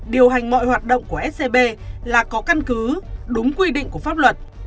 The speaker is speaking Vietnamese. điều hành mọi hoạt động của scb là có căn cứ đúng quy định của pháp luật